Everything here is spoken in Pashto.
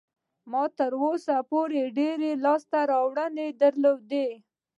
ما تر اوسه پورې ډېرې لاسته راوړنې درلودې.